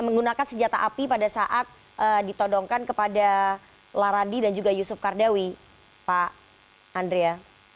menggunakan senjata api pada saat ditodongkan kepada laradi dan juga yusuf kardawi pak andrea